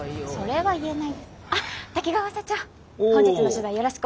はい。